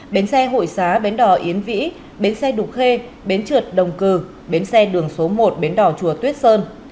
bến xe hội xá bến đỏ yến vĩ bến xe đục khê bến trượt đồng cừ bến xe đường số một bến đỏ chùa tuyết sơn